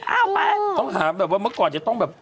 เอาไปต้องหาแบบว่าเมื่อก่อนจะต้องแบบ